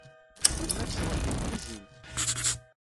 Yemma tecɣel deg tkuzint.